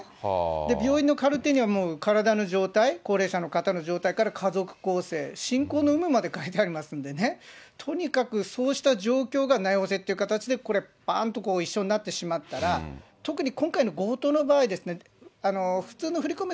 病院のカルテには体の状態、高齢者の方の状態から家族構成、進行の有無まで書いてありますんでね、とにかくそうした状況が名寄せっていう形で、これ、ばーんと一緒になってしまったら、特に今回の強盗の場合、普通の振り込め